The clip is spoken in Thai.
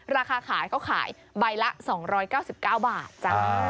ราคาขายเขาขายใบละ๒๙๙บาทจ้า